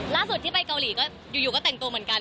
ล่าสุดที่ไปเกาหลีก็อยู่ก็แต่งตัวเหมือนกัน